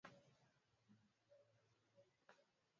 Mama yangu ni mrembo.